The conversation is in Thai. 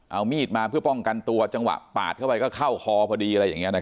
เอามีดมาเพื่อป้องกันตัวจังหวะปาดเข้าไปก็เข้าคอพอดี